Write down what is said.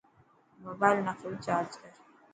موبال نا ڦل چارج ڪر.